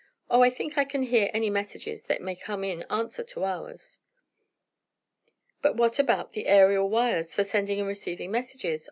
Oh, I think I can hear any messages that may come in answer to ours." "But what about the aerial wires for sending and receiving messages?"